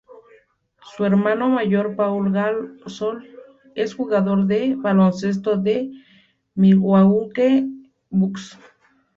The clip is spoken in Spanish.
Su hermano mayor, Pau Gasol, es jugador de baloncesto de Milwaukee Bucks.